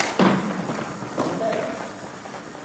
Ffay.